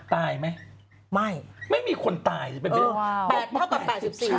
ตายไหมไม่ไม่มีคนตายสิแบบเดียว